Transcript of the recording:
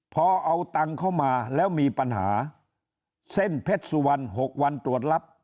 พอเอาตังค์เข้ามาแล้วมีปัญหาเส้นเพชรสุวรรณ๖วันตรวจรับ